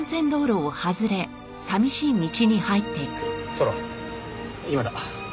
トロ今だ。